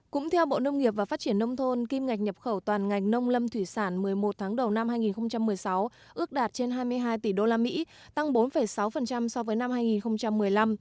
cũng theo bộ nông nghiệp và phát triển nông thôn kim ngạch nhập khẩu toàn ngành nông lâm thủy sản một mươi một tháng đầu năm hai nghìn một mươi sáu ước đạt trên hai mươi hai tỷ usd tăng bốn sáu so với năm hai nghìn một mươi năm